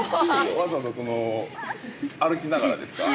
◆わざわざ歩きながらですか？